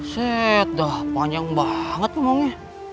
set dah panjang banget ngomongnya